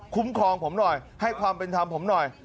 คุ้มครองผมหน่อยให้ความเป็นธรรมผมหน่อย